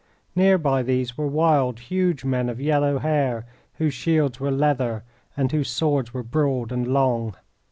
Near by these were wild, huge men of yellow hair, whose shields were leather and whose swords were broad and long.